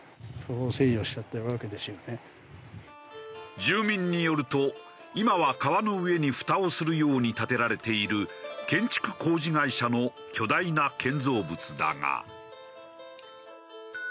住民によると今は川の上にふたをするように建てられている建築工事会社の巨大な建造物だが。